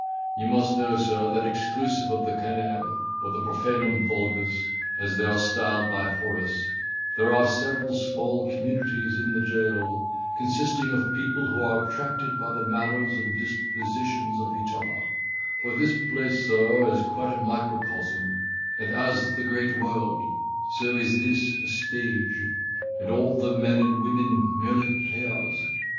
You must know, sir, that, exclusive of the canaille, or the profanum vulgus, as they are styled by Horace, there are several small communities in the jail, consisting of people who are attracted by the manners and dispositions of each other; for this place, sir, is quite a microcosm, and as the great world, so is this, a stage, and all the men and women merely players.